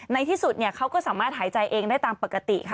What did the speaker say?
ในที่สุดเขาก็สามารถหายใจเองได้ตามปกติค่ะ